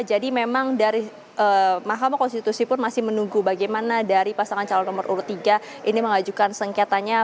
jadi memang dari mahkamah konstitusi pun masih menunggu bagaimana dari pasangan calon nomor tiga ini mengajukan sengketanya